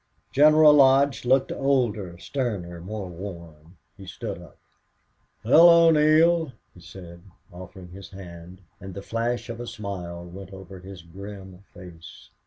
General Lodge looked older, sterner, more worn. He stood up. "Hello, Neale!" he said, offering his hand, and the flash of a smile went over his grim face.